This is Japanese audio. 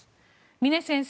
峰先生